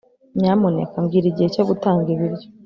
Nyamuneka mbwira igihe cyo gutanga ibiryo